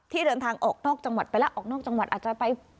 เดินทางออกนอกจังหวัดไปแล้วออกนอกจังหวัดอาจจะไป